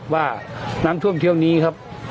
ว่าน้ำท่วมเที่ยวนี้ครับ